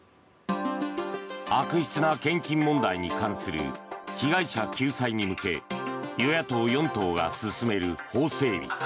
悪質な献金問題に関する被害者救済に向け与野党４党が進める法整備。